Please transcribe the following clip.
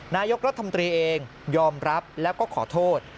นายกรัฐมนตรีเองยอมรับแล้วก็ขอโทษ